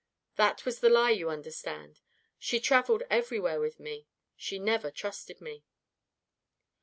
That was the lie, you understand. She traveled everywhere with me. She never trusted me.